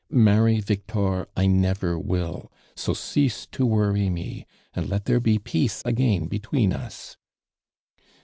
Many Victor 1 nt vcr will, so cease to worry mo, and let there l»« peace again between us."